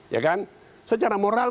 ya kan secara moral